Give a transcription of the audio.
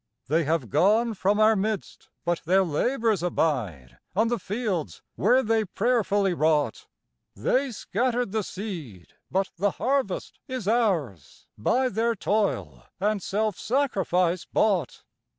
They have gone from our midst, but their labors abide On the fields where they prayerfully wrought; They scattered the seed, but the harvest is ours, By their toil and self sacrifice bought.